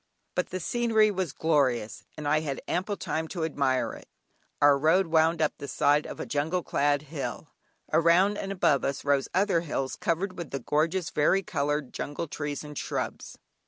But the scenery was glorious, and I had ample time to admire it. Our road wound up the side of a jungle clad hill, around and above us rose other hills covered with the gorgeous vari coloured jungle trees and shrubs.